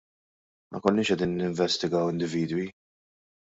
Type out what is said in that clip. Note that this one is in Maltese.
Ma konniex qegħdin ninvestigaw individwi.